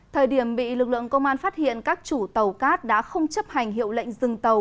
thời điểm bị lực lượng công an phát hiện các chủ tàu cát đã không chấp hành hiệu lệnh dừng tàu